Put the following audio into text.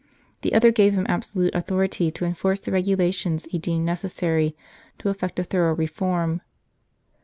The other gave him absolute authority to enforce the regulations he deemed necessary to effect a thorough reform.